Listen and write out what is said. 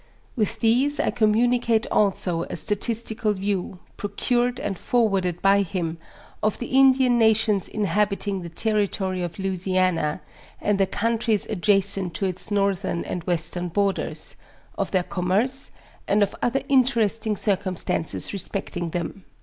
With these I communicate also a statistical view, procured and forwarded by him, of the Indian nations inhabiting the territory of Lou isiana, and the countries adjacent to its northern and western borders; of their commerce, and of other interesting eircum *t2jaces respecting them.